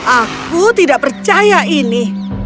aku tidak percaya ini